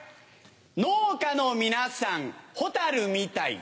農家の皆さんホタルみたい。